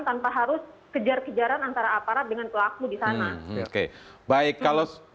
tanpa harus kejar kejaran antara aparat dengan pelaku di sana